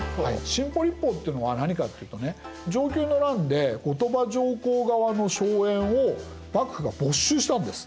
新補率法っていうのは何かというとね承久の乱で後鳥羽上皇側の荘園を幕府が没収したんです。